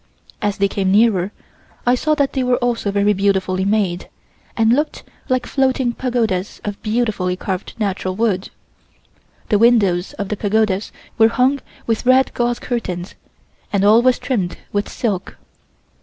As they came nearer I saw that they were also very beautifully made, and looked like floating pagodas of beautifully carved natural wood. The windows of the pagodas were hung with red gauze curtains and all was trimmed with silk.